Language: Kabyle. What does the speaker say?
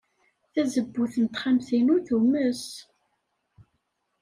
Tazewwut n texxamt-inu tumes.